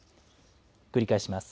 繰り返します。